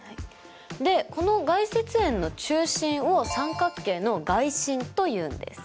でこの外接円の中心を三角形の外心というんです。